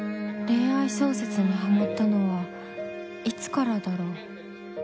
恋愛小説にはまったのはいつからだろう。